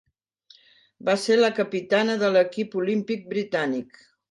Va ser la capitana de l'equip olímpic britànic.